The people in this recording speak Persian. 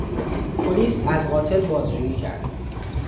پلیس از قاتل بازجویی کرد.